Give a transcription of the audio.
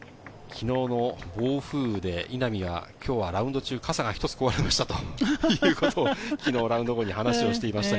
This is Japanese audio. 昨日の暴風雨で稲見は今日はラウンド中、傘が１つ壊れましたということを昨日ラウンド後に話をしていました。